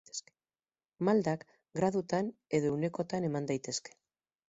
Maldak gradutan edo ehunekotan eman daitezke.